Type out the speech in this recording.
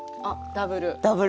ダブル。